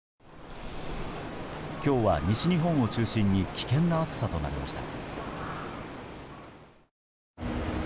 今日は、西日本を中心に危険な暑さとなりました。